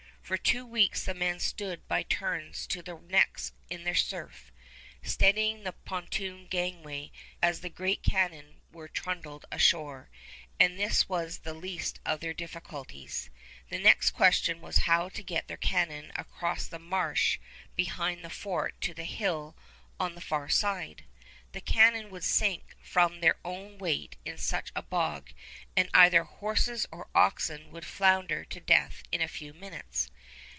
For two weeks the men stood by turns to their necks in the surf, steadying the pontoon gangway as the great cannon were trundled ashore; and this was the least of their difficulties. The question was how to get their cannon across the marsh behind the fort to the hill on the far side. The cannon would sink from their own weight in such a bog, and either horses or oxen would flounder to death in a few minutes.